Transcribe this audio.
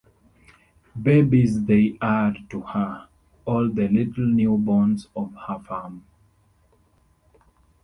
Babies they are to her, all the little newly-borns of her farm.